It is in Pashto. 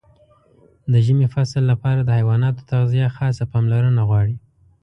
د ژمي فصل لپاره د حیواناتو تغذیه خاصه پاملرنه غواړي.